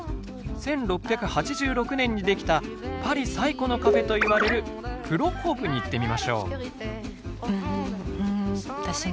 １６８６年にできたパリ最古のカフェといわれる「プロコープ」に行ってみましょう。